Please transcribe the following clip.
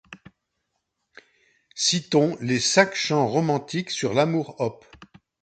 Citons les Cinq chants romantiques sur l’amour op.